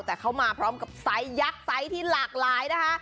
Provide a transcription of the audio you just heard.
แต่เขามาพร้อมกับไซส์ยักษ์ไซส์ที่หลากหลายนะคะ